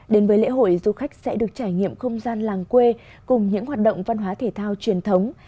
đến với lễ hội du khách sẽ được trải nghiệm không gian làng quê cùng những hoạt động văn hóa thể thao truyền thống